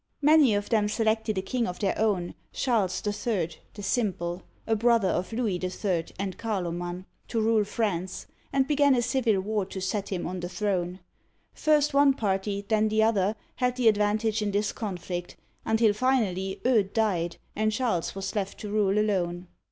Many of them selected a king of their own, Charles HI., the Simple (a brother of Louis IH. and Carloman), to rule France, and began a civil war to set him on the throne. First one party, then the other, had the advantage in this conflict, until finally Eudes died and Charles was left to rule alone.